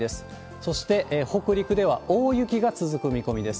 そして北陸では大雪が続く見込みです。